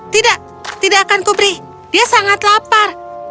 tidak tidak akan kubri dia sangat lapar